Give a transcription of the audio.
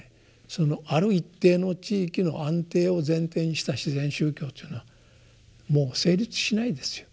そのある一定の地域の安定を前提にした自然宗教というのはもう成立しないですよ。